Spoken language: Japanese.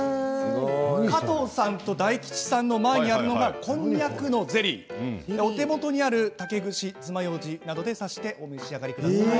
加藤さんと大吉さんの前にあるのがこんにゃくのゼリーお手元にある竹串つまようじなどで刺してお召し上がりください。